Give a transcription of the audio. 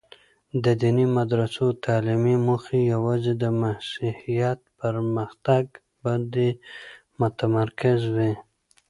د دیني مدرسو تعلیمي موخې یوازي د مسیحیت پرمختګ باندې متمرکز وې.